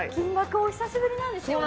お久しぶりなんですよね。